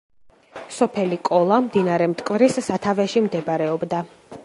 სოფელი კოლა მდინარე მტკვრის სათავეში მდებარეობდა.